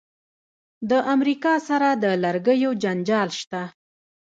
د امریکا سره د لرګیو جنجال شته.